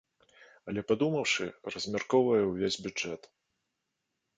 Але падумаўшы, размяркоўвае увесь бюджэт!